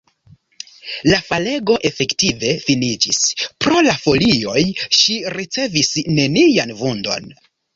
La falego efektive finiĝis! Pro la folioj ŝi ricevis nenian vundon.